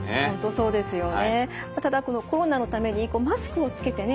そうですよね。